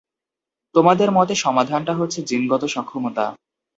তোমাদের মতে সমাধানটা হচ্ছে জিনগত সক্ষমতা।